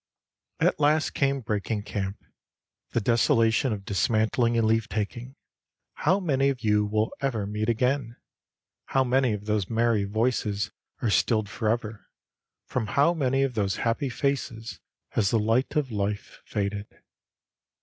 At last came breaking camp, the desolation of dismantling and leave taking. How many of you will ever meet again? How many of those merry voices are stilled forever, from how many of those happy faces has the light of life faded?